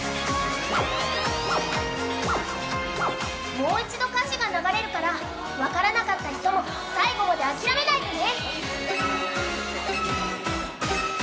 もう一度歌詞が流れるから、分からなかった人も最後まで諦めないでね。